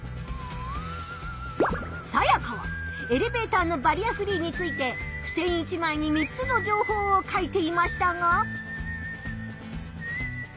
サヤカはエレベーターのバリアフリーについてふせん１枚に３つの情報を書いていましたが。